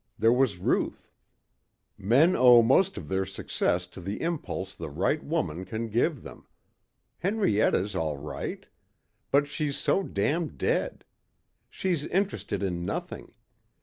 There was Ruth. "Men owe most of their success to the impulse the right woman can give them. Henrietta's all right. But she's so damn dead. She's interested in nothing.